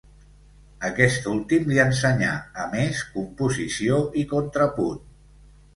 Aquest últim li ensenyà, a més, composició i contrapunt.